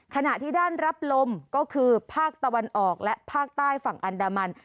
ขณะที่ด้านรับลมก็คือภาคตะวันออกและภาคใต้ฝั่งอันดามัน